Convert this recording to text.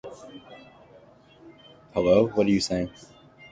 He tried to join the communist party but was rejected.